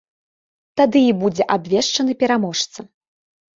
Тады і будзе абвешчаны пераможца.